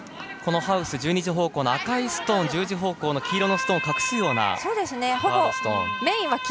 ハウスの１２時方向の赤いストーン１０時方向の黄色いストーンを隠すようなストーン。